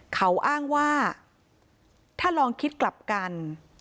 เขาอ้างว่าถ้าลองคิดกลับกัน